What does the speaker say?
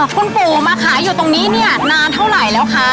คุณปู่มาขายอยู่ตรงนี้เนี่ยนานเท่าไหร่แล้วคะ